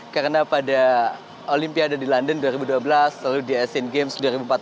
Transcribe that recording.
karena pada olimpiade di london dua ribu dua belas lalu di sin games dua ribu empat belas